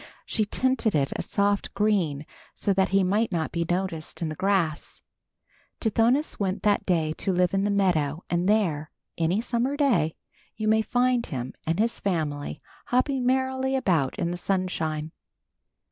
She tinted it a soft green so that he might not be noticed in the grass. Tithonus went that day to live in the meadow and there, any summer day, you may find him and his family hopping merrily about in the sunshine.